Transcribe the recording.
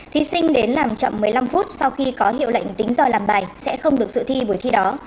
thí sinh đến làm chậm một mươi năm phút sau khi có hiệu lệnh tính giờ làm bài sẽ không được dự thi buổi thi đó